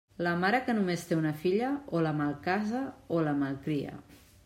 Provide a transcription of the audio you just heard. La mare que només té una filla, o la malcasa o la malcria.